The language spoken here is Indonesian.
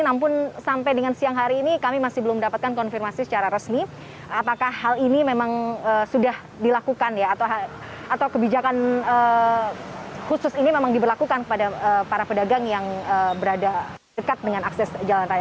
namun sampai dengan siang hari ini kami masih belum mendapatkan konfirmasi secara resmi apakah hal ini memang sudah dilakukan ya atau kebijakan khusus ini memang diberlakukan kepada para pedagang yang berada dekat dengan akses jalan raya